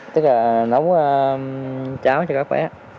tức là nấu cháo cho các bé